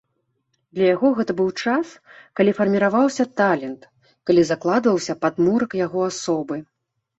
Для яго гэта быў час, калі фарміраваўся талент, калі закладваўся падмурак яго асобы.